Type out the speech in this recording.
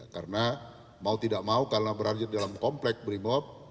karena mau tidak mau karena beranjut dalam kompleks brimo